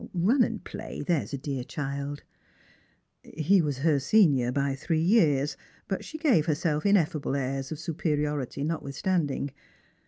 Run and play, that's a dear child !" He was her senior by three years, but she gave herself ineffable airs of superiority notwithstanding.